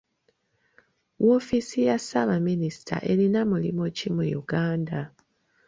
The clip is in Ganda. Woofiisi ya ssaabaminisita erina mulimu ki mu Uganda?